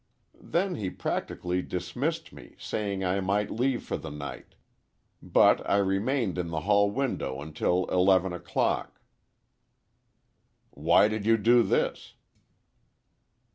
"Then he practically dismissed me, saying I might leave for the night. But I remained in the hall window until eleven o'clock." "Why did you do this?"